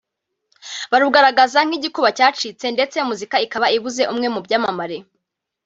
barugaragaza nk’igikuba cyacitse ndetse muzika ikaba ibuze umwe mu byamamare